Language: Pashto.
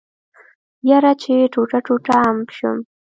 يره چې ټوټه ټوټه ام شم.